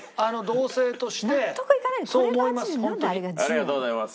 ありがとうございます。